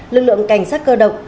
lực lượng cảnh sát cơ động